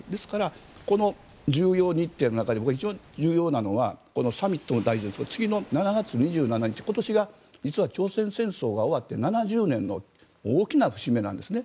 ですから、この重要日程の中で一番大事なのはサミットも大事ですが次の７月２７日今年が実は朝鮮戦争が終わって７０年の大きな節目なんです。